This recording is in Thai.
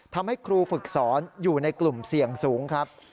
ทำให้ครูฝึกสอนอยู่ในกลุ่มเสี่ยงสูงครับ